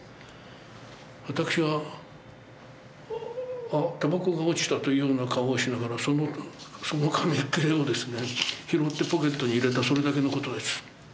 私は「あったばこが落ちた」というような顔をしながらその紙切れをですね拾ってポケットに入れたそれだけの事です。